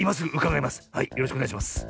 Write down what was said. はいよろしくおねがいします。